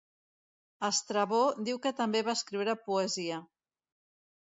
Estrabó diu que també va escriure poesia.